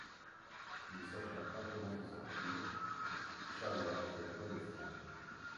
Ne sachant pas comment s'en sortir, Shawar fait appel aux Francs.